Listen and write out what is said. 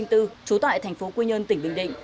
trú tại thành phố quy nhơn tỉnh bình định